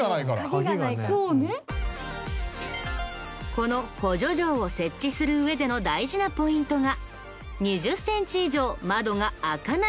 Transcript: この補助錠を設置する上での大事なポイントが。